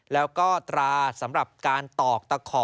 แล้วก็ตราสำหรับการตอกตะขอ